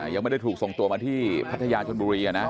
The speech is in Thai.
ยังไม่ได้ถูกส่งตัวมาที่พัทยาชนบุรี